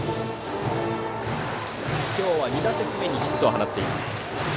今日は２打席目にヒットを放っています。